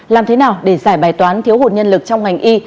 làm thế nào để giải bài toán thiếu hụt nhân lực trong ngành y